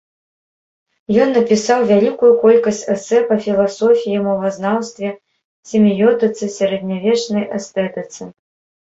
Ён напісаў вялікую колькасць эсэ па філасофіі, мовазнаўстве, семіётыцы, сярэднявечнай эстэтыцы.